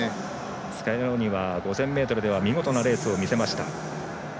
スキャローニは５０００ｍでは見事なレースを見せました。